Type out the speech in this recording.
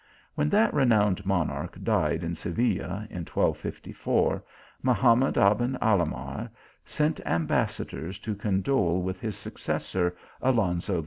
When that renowned monarch died in Seville, in 1254, Mahamad Aben Alahmar sent ambassadors to condole with his suc cessor, Alonzo X.